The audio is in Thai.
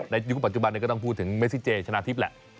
ยุคปัจจุบันก็ต้องพูดถึงเมซิเจชนะทิพย์แหละ